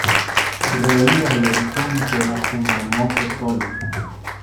reía el horizonte bajo un hermoso sol.